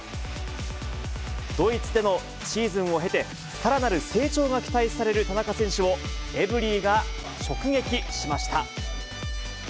ドイツでのシーズンを経て、さらなる成長が期待される田中選手を、エブリィが直撃しました。